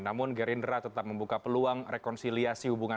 namun gerindra tetap membuka peluang rekonsiliasi hubungan